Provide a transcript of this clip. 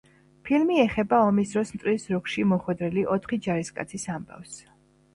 ფილმი ეხება ომის დროს მტრის ზურგში მოხვედრილი ოთხი ჯარისკაცის ამბავს.